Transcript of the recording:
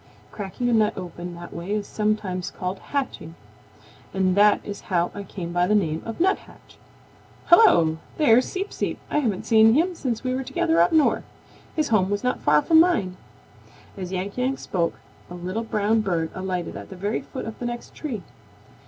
Cracking a nut open that way is sometimes called hatching, and that is how I come by the name of Nuthatch. Hello! There's Seep Seep. I haven't seen him since we were together up North. His home was not far from mine." As Yank Yank spoke, a little brown bird alighted at the very foot of the next tree.